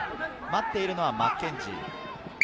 待っているのはマッケンジー。